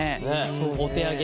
お手上げ。